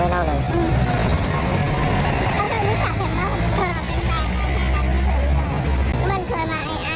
เขาเคยรู้จักเห็นว่าผู้หญิงคนนั้นเป็นแฟนสาวของในไอซ์แล้วมันเคยมาไอซ์มันออกมาแล้วมันมาหาป้านะอืม